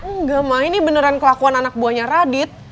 enggak ma ini beneran kelakuan anak buahnya radit